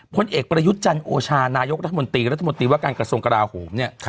พลเอกประยุทธ์จันโอชานายกรัฐมนตรีรัฐมนตรีว่าการกระทรวงกราโหมเนี่ย